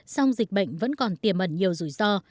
song dịch bệnh vẫn còn tiềm ẩn nhiều rủi ro